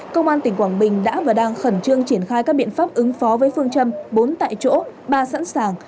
công an tỉnh quảng bình đã và đang khẩn trương triển khai các biện pháp ứng phó với phương châm bốn tại chỗ ba sẵn sàng